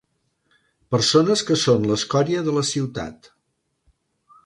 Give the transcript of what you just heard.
Persones que són l'escòria de la ciutat.